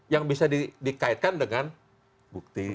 yang bisa dikaitkan dengan bukti